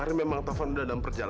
tidak mungkin taufan meninggal